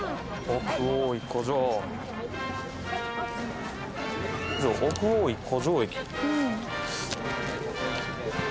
奥大井湖上駅。